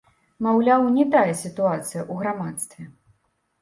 Маўляў, не тая сітуацыя ў грамадстве.